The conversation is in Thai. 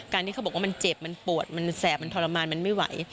ที่เขาบอกว่ามันเจ็บมันปวดมันแสบมันทรมานมันไม่ไหว